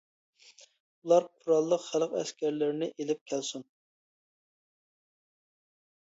ئۇلار قوراللىق خەلق ئەسكەرلىرىنى ئېلىپ كەلسۇن.